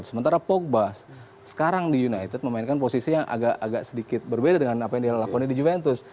sementara pogbas sekarang di united memainkan posisi yang agak sedikit berbeda dengan apa yang dialakoni di juventus